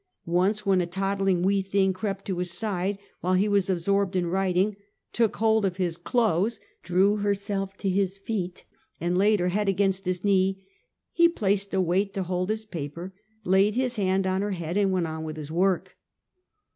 Once when a toddling wee thing crept to his side while he was absorbed in writing, took hold of his clothes, drew herself to his feet and laid her head against his knee, he placed a weight to hold his paper, laid his hand on her head and went on with his work.